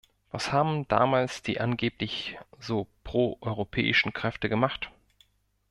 Was haben damals die angeblich so pro-europäischen Kräfte gemacht?